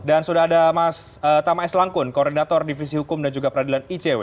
dan sudah ada mas tama s langkun koordinator divisi hukum dan juga peradilan icw